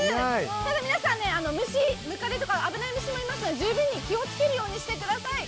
ただ皆さんね、ムカデとか危ない虫もいますので、十分に気をつけるようにしてください。